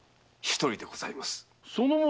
その者